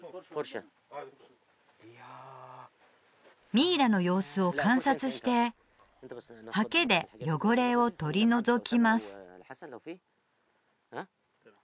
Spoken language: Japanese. ミイラの様子を観察してはけで汚れを取り除きます